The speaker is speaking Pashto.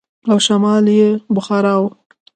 او شمال يې بخارا و.